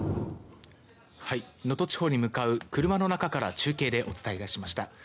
能登地方に向かう車の中から中継でお伝えいたしました。